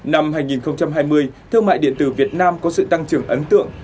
năm hai nghìn hai mươi thương mại điện tử việt nam có sự tăng trưởng ấn tượng